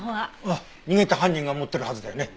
ああ逃げた犯人が持ってるはずだよね？